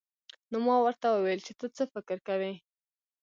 نو ما ورته وويل چې ته څه فکر کوې.